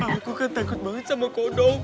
aku kan takut banget sama kodo